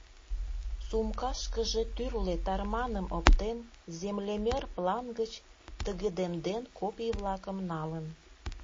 Сумкашкыже тӱрлӧ тарманым оптен, землемер план гыч, тыгыдемден, копий-влакым налын.